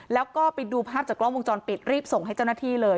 แล้วก็ไปดูภาพจากกล้องวงจรปิดรีบส่งให้เจ้าหน้าที่เลย